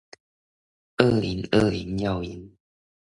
二零二零要贏